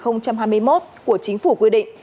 năm hai nghìn hai mươi một của chính phủ quy định